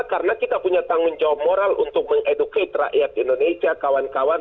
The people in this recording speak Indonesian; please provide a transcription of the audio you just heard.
karena kita punya tanggung jawab moral untuk mengedukasi rakyat indonesia kawan kawan